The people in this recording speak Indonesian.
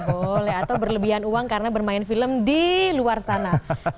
boleh atau berlebihan uang karena bermain film di luar sana